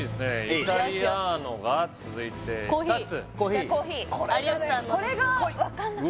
イタリアーノが続いて２つこれがね